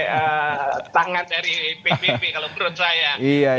nabok orang pakai tangan dari pbb kalau menurut saya